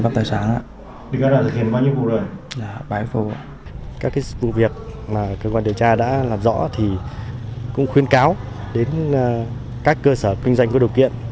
các vụ việc mà cơ quan điều tra đã làm rõ thì cũng khuyến cáo đến các cơ sở kinh doanh có điều kiện